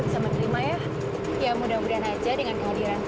ya tuhan ya tuhan